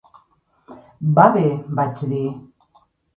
"Va bé", vaig dir.